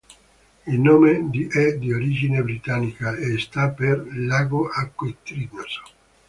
Il nome è di origine britannica e sta per "Lago acquitrinoso".